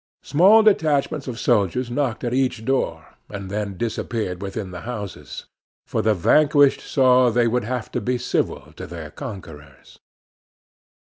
Small detachments of soldiers knocked at each door, and then disappeared within the houses; for the vanquished saw they would have to be civil to their conquerors.